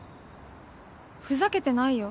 ふざけてないよ